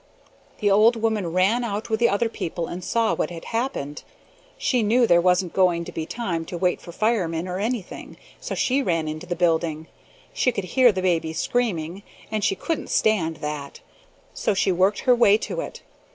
"The old woman ran out with the other people and saw what had happened. She knew there wasn't going to be time to wait for firemen or anything, so she ran into the building. She could hear the baby screaming, and she couldn't stand that; so she worked her way to it.